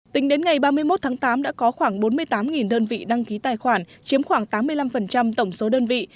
tính đến ngày ba mươi một tháng tám đã có khoảng bốn mươi tám đơn vị đăng ký tài khoản chiếm khoảng tám mươi năm tổng số đơn vị